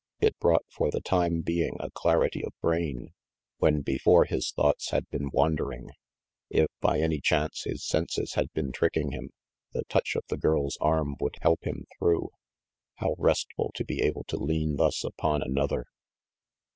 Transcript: It brought for the time being a clarity of brain, when before his thoughts had been wander ing. If by any chance his senses had been tricking him, the touch of the girl's arm would help him RANGY PETE 385 through. How restful to be able to lean thus upon another.